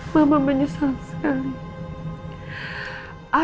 mama menyesal sekali